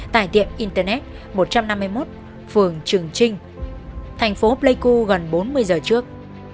tại tiệm internet một trăm năm mươi một phường trường trinh thành phố pleiku gần bốn mươi giờ trước